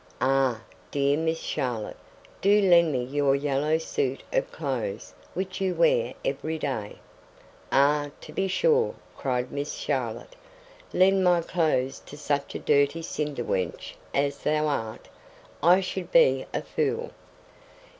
Ah! dear Miss Charlotte, do lend me your yellow suit of clothes which you wear every day." "Ay, to be sure!" cried Miss Charlotte; "lend my clothes to such a dirty Cinderwench as thou art! I should be a fool."